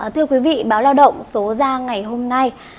thưa quý vị báo lao động số ra ngày hôm nay